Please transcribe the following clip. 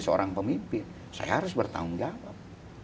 seorang pemimpin saya harus bertanggung jawab